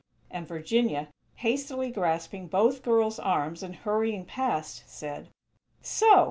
and Virginia, hastily grasping both girls' arms and hurrying past, said: "So!!